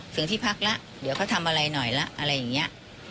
ถึงที่พักแล้วเดี๋ยวเขาทำอะไรหน่อยละอะไรอย่างนี้